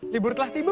libur telah tiba